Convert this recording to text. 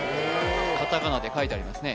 カタカナで書いてありますね